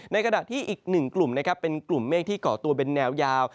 ขณะที่อีกหนึ่งกลุ่มนะครับเป็นกลุ่มเมฆที่เกาะตัวเป็นแนวยาว